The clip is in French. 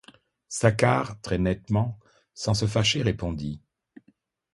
Saccard, très nettement, sans se fâcher, répondit.